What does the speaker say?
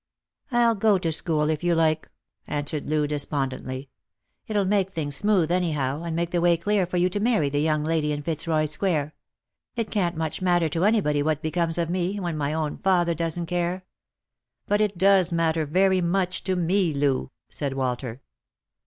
" I'll go to school if you like," answered Loo despondently. " It'll make things smooth, anyhow, and make the way clear for you to marry the young lady in Fitzroy square. It can't much matter to anybody what becomes of me, when my own father doesn't care." " But it does matter very much to me, Loo," said Walter.